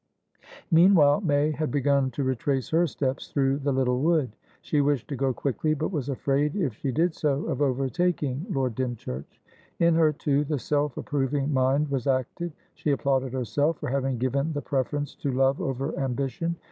Meanwhile, May had begun to retrace her steps through the little wood. She wished to go quickly, but was afraid, if she did so, of overtaking Lord Dymchurch. In her, too, the self approving mind was active; she applauded herself for having given the preference to love over ambition.